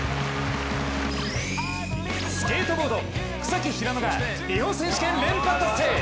スケートボード、草木ひなのが、日本選手権連覇達成。